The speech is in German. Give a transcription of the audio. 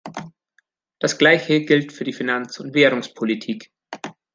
Das Gleiche gilt für die Finanz- und Währungspolitik.